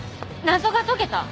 謎が解けた！？